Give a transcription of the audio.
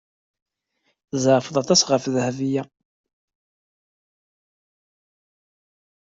Tzeɛfeḍ aṭas ɣef Dahbiya.